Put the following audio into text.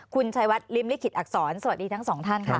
คุณชัยวัดริมลิขิตอักษรสวัสดีทั้งสองท่านค่ะ